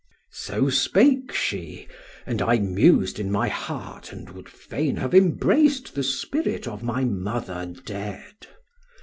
"So spake she, and I mused in my heart and would fain have embraced the spirit of my mother dead.